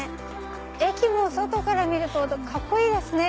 駅も外から見るとカッコいいですね！